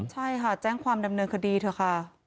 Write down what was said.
ใช่ค่ะแจ้งความดำเนินคดีเถอะค่ะ